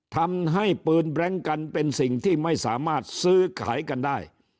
ทำให้ปืนแบล็งกันเป็นสิ่งที่ไม่สามารถซื้อขายกันได้